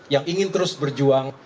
yang ingin terus berjuang